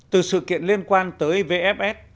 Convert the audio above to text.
từ sự kiện liên quan tới vfs